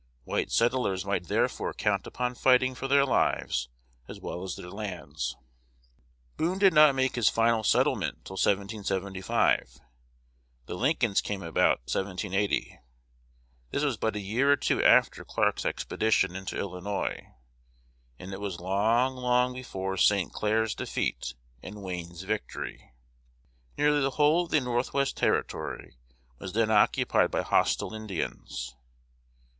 White settlers might therefore count upon fighting for their lives as well as their lands. Boone did not make his final settlement till 1775. The Lincolns came about 1780. This was but a year or two after Clark's expedition into Illinois; and it was long, long before St. Clair's defeat and Wayne's victory. Nearly the whole of the north west territory was then occupied by hostile Indians.